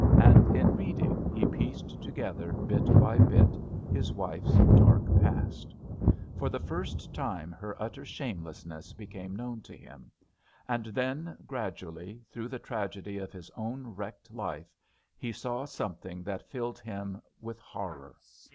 And in reading he pieced together, bit by bit, his wife's dark past. For the first time her utter shamelessness became known to him. And then, gradually, through the tragedy of his own wrecked life, he saw something that filled him with horror.